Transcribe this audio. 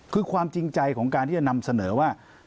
คือความจริงใจของการที่จะนำเสนอว่า